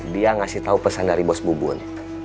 dia ngasih tahu pesan dari bos bubun